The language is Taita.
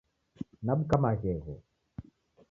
Nabuka Maghegho.